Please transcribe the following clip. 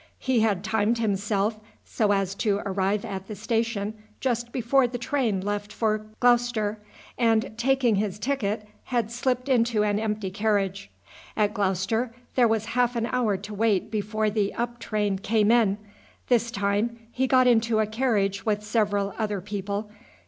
He had timed himself so as to arrive at the station just before the train left for Gloucester, and taking his ticket, had slipped into an empty carriage. At Gloucester there was half an hour to wait before the up train came in. This time he got into a carriage with several other people.